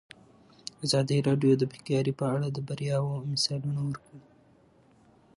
ازادي راډیو د بیکاري په اړه د بریاوو مثالونه ورکړي.